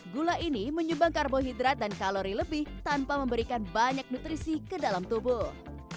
gula ini menyumbang karbohidrat dan kalori lebih tanpa memberikan banyak nutrisi ke dalam tubuh